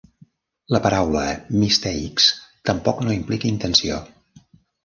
La paraula "mistakes" tampoc no implica intenció.